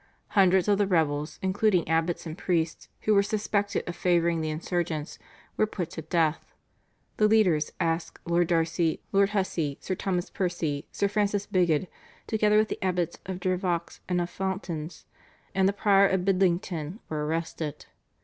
Hundreds of the rebels, including abbots and priests, who were suspected of favouring the insurgents, were put to death. The leaders, Aske, Lord Darcy, Lord Hussey, Sir Thomas Percy, Sir Francis Bigod, together with the abbots of Jervaux and of Fountains, and the Prior of Bidlington were arrested.